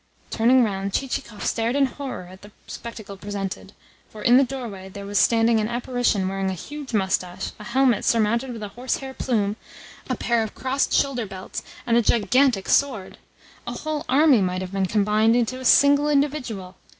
Turning round, Chichikov stared in horror at the spectacle presented; for in the doorway there was standing an apparition wearing a huge moustache, a helmet surmounted with a horsehair plume, a pair of crossed shoulder belts, and a gigantic sword! A whole army might have been combined into a single individual!